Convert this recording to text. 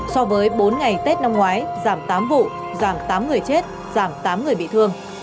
so với bốn ngày tết năm ngoái giảm tám vụ giảm tám người chết giảm tám người bị thương